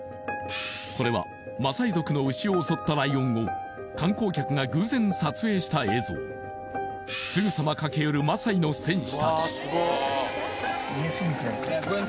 これはマサイ族の牛を襲ったライオンを観光客が偶然撮影した映像すぐさま駆け寄るマサイの戦士たち